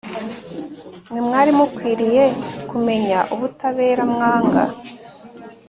mwe mwari mukwiriye kumenya ubutabera mwanga